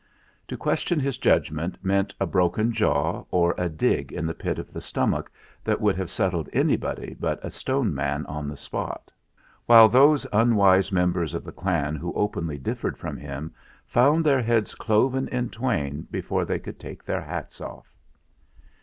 To question his judgment meant a broken jaw or a dig in the pit of the stomach that would have settled anybody but a Stone Man on the spot ; while those unwise members THE REIGN OF PHUTT 41 of the clan who openly differed from him found their heads cloven in twain before they could take their hats off.